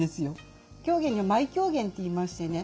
狂言に舞狂言と言いましてね